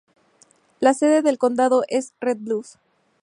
La sede del condado es Red Bluff.